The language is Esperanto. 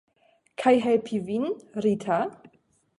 Kaj helpi vin, Rita?